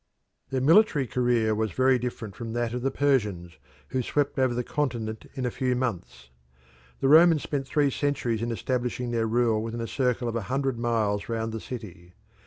Their military career was very different from that of the Persians, who swept over the continent in a few months. The Romans spent three centuries in establishing their rule within a circle of a hundred miles round the city.